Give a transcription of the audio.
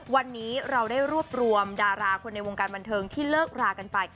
วันนี้เราได้รวบรวมดาราคนในวงการบันเทิงที่เลิกรากันไป